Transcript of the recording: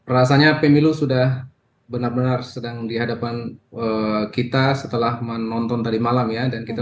rasanya pemilu sudah benar benar sedang dihadapan kita setelah menonton tadi malam ya dan kita